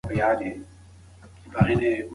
معلومات باید دقیق او کره وي.